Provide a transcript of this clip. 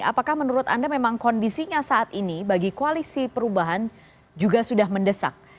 apakah menurut anda memang kondisinya saat ini bagi koalisi perubahan juga sudah mendesak